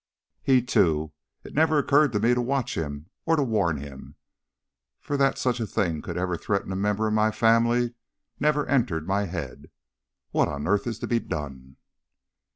"He too! It never occurred to me to watch him or to warn him; for that such a thing could ever threaten a member of my family never entered my head. What on earth is to be done?"